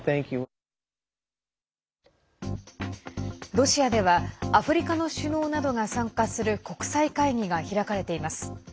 ロシアではアフリカの首脳などが参加する国際会議が開かれています。